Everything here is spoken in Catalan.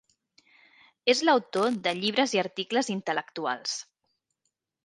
És l'autor de llibres i articles intel·lectuals.